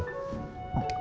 punya rasa gugup